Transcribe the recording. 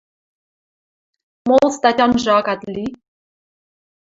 Мол статянжы акат ли.